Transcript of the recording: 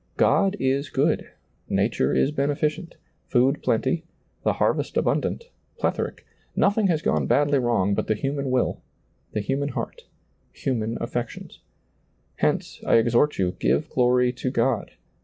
God is good, nature is beneficent, food plenty, the harvest abundant, plethoric ; nothing has gone badly wrong but the human will, the human heart, human affections. Hence, I exhort you, give glory to God.